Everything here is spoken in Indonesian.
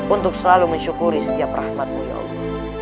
untuk selalu mensyukuri setiap rahmatmu ya allah